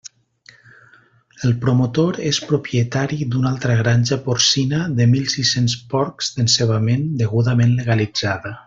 El promotor és propietari d'una altra granja porcina de mil sis-cents porcs d'encebament degudament legalitzada.